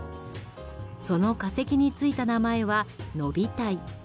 その化石についた名前はノビタイ。